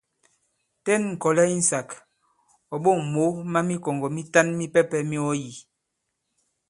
Ten ŋ̀kɔ̀lɛ insāk, ɔ̀ ɓôŋ mǒ ma mikɔ̀ŋgɔ̀ mitan mipɛpɛ̄ mi ɔ yī.